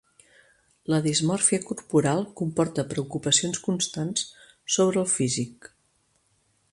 La dismòrfia corporal comporta preocupacions constants sobre el físic.